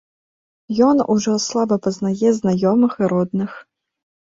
Ён ужо слаба пазнае знаёмых і родных.